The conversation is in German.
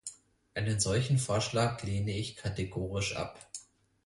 Einen solchen Vorschlag lehne ich katgeorisch ab.